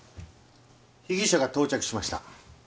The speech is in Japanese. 被疑者が到着しました。